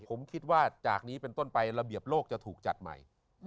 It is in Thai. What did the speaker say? ผมคิดว่าจากนี้เป็นต้นไประเบียบโลกจะถูกจัดใหม่